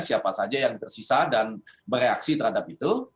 siapa saja yang tersisa dan bereaksi terhadap itu